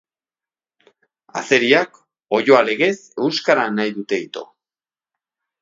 Azeriak oiloa legez euskara nahi dute ito.